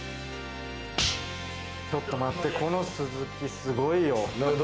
ちょっと待って、このスズキすごいよ。